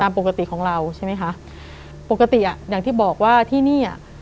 ปกติของเราใช่ไหมคะปกติอ่ะอย่างที่บอกว่าที่นี่อ่ะ